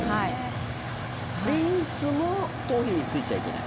リンスも頭皮についちゃいけない？